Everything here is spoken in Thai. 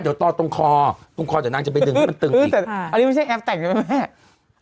เดี๋ยวต่อตรงคอตรงคอเดี๋ยวนางจะไปดึงให้มันตึงอันนี้ไม่ใช่แอปแต่งใช่ไหมแม่